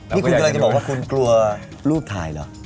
นี่คุณกำลังจะบอกว่าคุณกลัวรูปถ่ายเหรอ